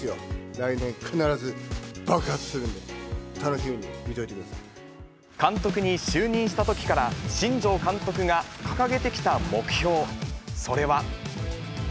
来年必ず爆発するんで、監督に就任したときから新庄監督が掲げてきた目標、それは。